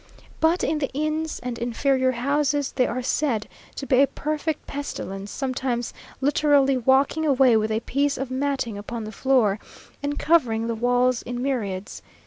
But in the inns and inferior houses they are said to be a perfect pestilence, sometimes literally walking away with a piece of matting upon the floor, and covering the walls in myriads.